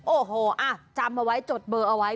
โอ้โหจำเอาไว้จดเบอร์เอาไว้